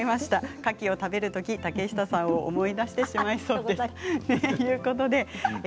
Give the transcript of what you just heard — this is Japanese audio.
かきを食べるとき竹下さんを思い出してしまいそうです。